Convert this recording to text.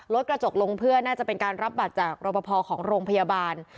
กระจกลงเพื่อน่าจะเป็นการรับบัตรจากรบพอของโรงพยาบาล